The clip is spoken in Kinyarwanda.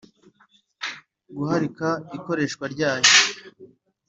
Guharika ikoreshwa ryayo